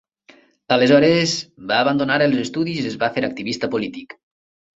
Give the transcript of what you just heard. Aleshores va abandonar els estudis i es va fer activista polític.